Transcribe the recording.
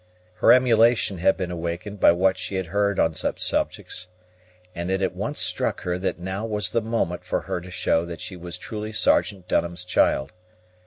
Her emulation had been awakened by what she had heard on such subjects; and it at once struck her that now was the moment for her to show that she was truly Sergeant Dunham's child.